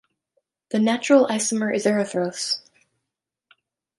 The natural isomer is -erythrose.